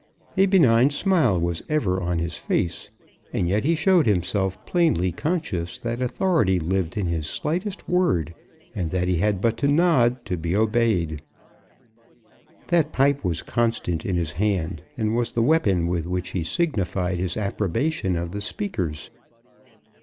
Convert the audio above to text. A benign smile was ever on his face, and yet he showed himself plainly conscious that authority lived in his slightest word, and that he had but to nod to be obeyed. That pipe was constant in his hand, and was the weapon with which he signified his approbation of the speakers.